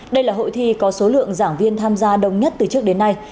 đây là hội thi có số lượng giảng viên tham gia đông nhất từ trước đến nay